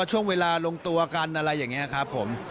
ช่วงเวลาลงตัวกันอะไรอย่างนี้ครับผม